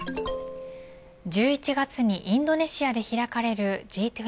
１１月にインドネシアで開かれるＧ２０